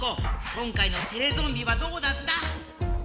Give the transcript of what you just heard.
今回のテレゾンビはどうだった？